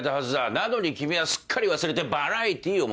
なのに君はすっかり忘れてバラエティーを持ってきた。